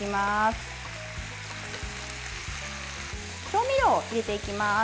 調味料、入れていきます。